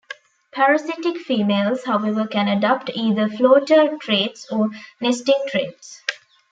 Parasitic females however can adopt either floater traits or nesting traits.